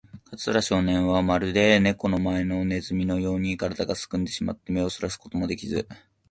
桂少年は、まるでネコの前のネズミのように、からだがすくんでしまって、目をそらすこともできず、